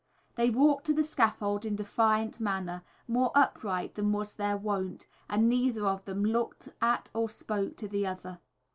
They walked to the scaffold in defiant manner, more upright than was their wont, and neither of them looked at or spoke to the other.